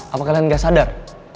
apa kalian gak sadar